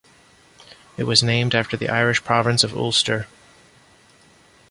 It was named after the Irish province of Ulster.